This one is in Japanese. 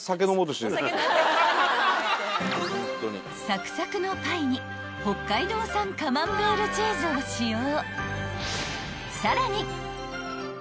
［サクサクのパイに北海道産カマンベールチーズを使用］